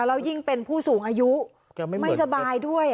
แล้วยิ่งเป็นผู้สูงอายุไม่สบายด้วย